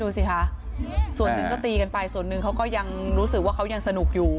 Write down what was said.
ดูสิคะส่วนหนึ่งก็ตีกันไปส่วนหนึ่งเขาก็ยังรู้สึกว่าเขายังสนุกอยู่